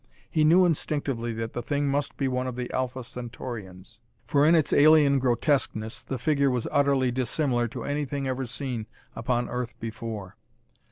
He knew instinctively that the thing must be one of the Alpha Centaurians, for in its alien grotesqueness the figure was utterly dissimilar to anything ever seen upon Earth before.